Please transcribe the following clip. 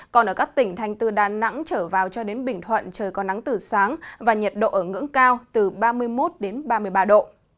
còn ở các tỉnh thanh từ đà nẵng trở vào cho đến bình thuận trời có nắng từ sáng và nhiệt độ ở ngưỡng cao từ ba mươi một đến ba mươi ba độ